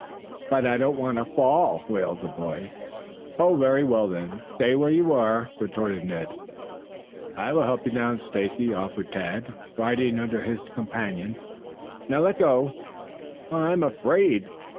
"But I don't want to fall," wailed the boy. "Oh, very well, then, stay where you are," retorted Ned. "I will help you down, Stacy," offered Tad, riding under his companion. "Now, let go." "I I'm afraid."